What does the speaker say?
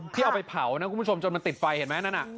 ที่เอาไปเผานะคุณผู้ชมจนมันติดไฟเห็นไหมนั่นน่ะ